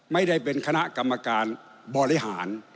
ไม่ได้เป็นคณะกรรมการบริหาร